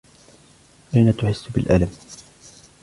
أين تحس بالألم ؟